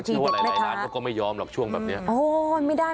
ช่วงหลายร้านเขาก็ไม่ยอมหรอกช่วงแบบนี้